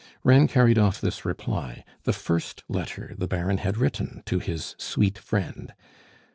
Reine carried off this reply, the first letter the Baron had written to his "sweet friend."